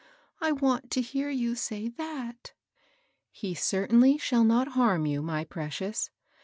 I want to hear you say that.^^ "He certainly shall not harm you, my prec ious.'